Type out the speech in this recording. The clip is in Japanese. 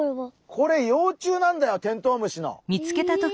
これ幼虫なんだよテントウムシの。え！